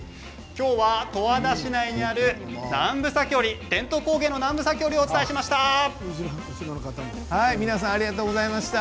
十和田市内にある南部裂織伝統工芸の南部裂織をお伝えしました。